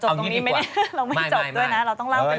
อ้าวที่นี่ไม่ได้เราไม่จบด้วยนะต้องเล่าไปเลย